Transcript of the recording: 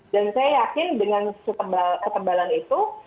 dan saya yakin dengan ketebalan itu